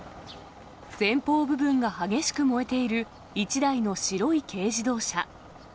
前方部分が激しく燃えている１台の白い軽自動車。